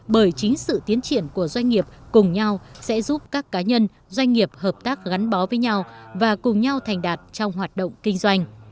bởi chính sự tiến triển của doanh nghiệp cùng nhau sẽ giúp các cá nhân doanh nghiệp hợp tác gắn bó với nhau và cùng nhau thành đạt trong hoạt động kinh doanh